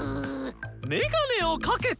メガネをかけた。